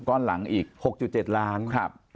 ก้อนหลังอีก๖๗ล้านครับ